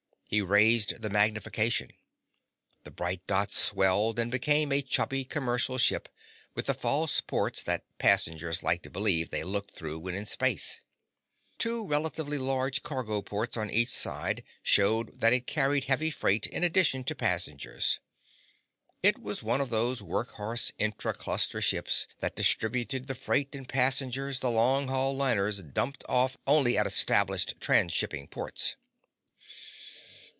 He raised the magnification. The bright dot swelled and became a chubby commercial ship, with the false ports that passengers like to believe they looked through when in space. Two relatively large cargo ports on each side showed that it carried heavy freight in addition to passengers. It was one of those workhorse intra cluster ships that distributed the freight and passengers the long haul liners dumped off only at established transshipping ports.